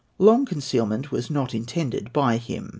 Long concealment was not intended by him.